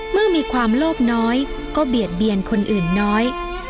เมื่อมีความโลภน้อยก็เบียดเบียนคนอื่นน้อย